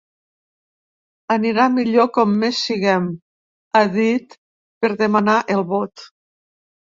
Anirà millor com més siguem, ha dit per demanar el vot.